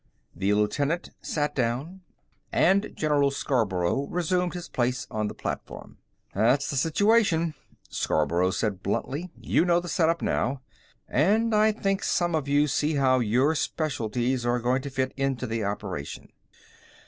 The lieutenant sat down, and General Scarborough resumed his place on the platform. "That's the situation," Scarborough said bluntly. "You know the setup, now and I think some of you see how your specialities are going to fit into the operation.